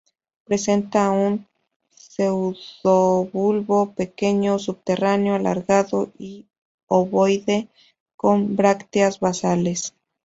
Presenta un pseudobulbo pequeño subterráneo, alargado y ovoide, con brácteas basales.